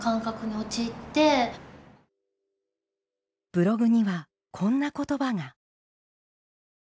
ブログにはこんな言葉が。